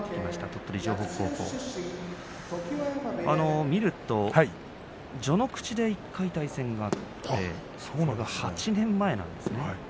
鳥取城北高校見ると序ノ口で１回対戦があって８年前なんですね。